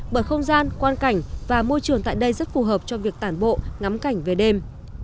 bởi không gian quan cảnh và môi trường tại đây rất phù hợp cho việc tản bộ ngắm cảnh về đêm